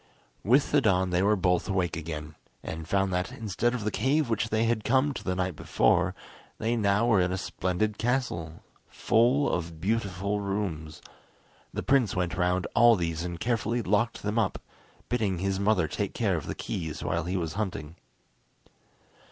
With the dawn they were both awake again, and found that, instead of the cave which they had come to the night before, they now were in a splendid castle, full of beautiful rooms. The prince went round all these and carefully locked them up, bidding his mother take care of the keys while he was hunting.